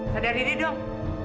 sadar diri dong